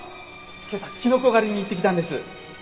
今朝キノコ狩りに行ってきたんです。